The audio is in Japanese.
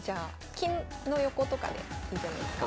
金の横とかでいいんじゃないですか。